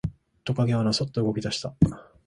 トカゲはのそっと動き出した。